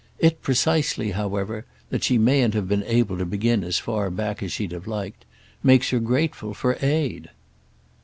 It precisely however—that she mayn't have been able to begin as far back as she'd have liked—makes her grateful for aid."